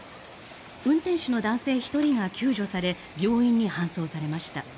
運転手の男性１人が救助され病院に搬送されました。